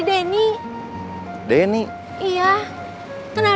gak ada yang kabur